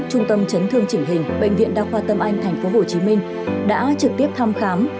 trung tâm chấn thương chỉnh hình bệnh viện đa khoa tâm anh tp hcm đã trực tiếp thăm khám